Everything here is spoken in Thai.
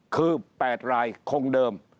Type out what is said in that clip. คือ๘รายคงเดิม